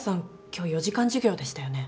今日４時間授業でしたよね。